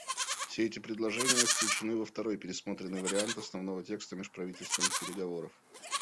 Все эти предложения включены во второй пересмотренный вариант основного текста межправительственных переговоров.